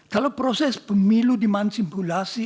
kalau proses pemilu dimansimulasi